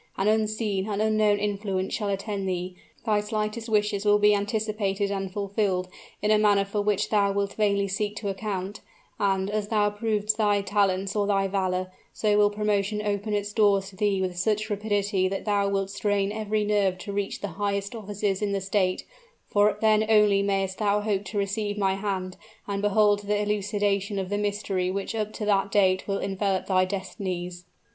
An unseen, an unknown influence shall attend thee: thy slightest wishes will be anticipated and fulfilled in a manner for which thou wilt vainly seek to account, and, as thou provest thy talents or thy valor, so will promotion open its doors to thee with such rapidity that thou wilt strain every nerve to reach the highest offices in the state for then only may'st thou hope to receive my hand, and behold the elucidation of the mystery which up to that date will envelop thy destinies."